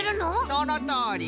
そのとおり！